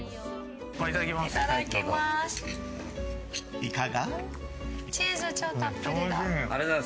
いかが？